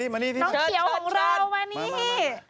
มานี้หน้าเก๋วหัวเรามานี้